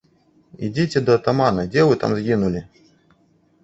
Ідзіце да атамана, дзе вы там згінулі?